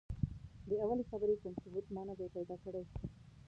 د اولې خبرې کوم ثبوت ما نه دی پیدا کړی.